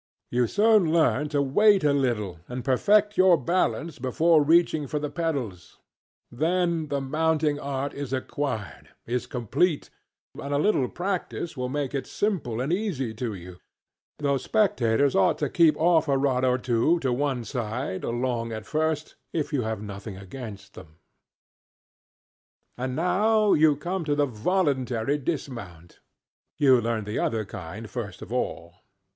You soon learn to wait a little and perfect your balance before reaching for the pedals; then the mounting art is acquired, is complete, and a little practice will make it simple and easy to you, though spectators ought to keep off a rod or two to one side, along at first, if you have nothing against them. And now you come to the voluntary dismount; you learned the other kind first of all.